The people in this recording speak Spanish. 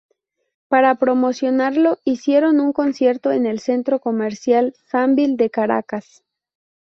Para promocionarlo hicieron un concierto en el Centro Comercial Sambil de Caracas.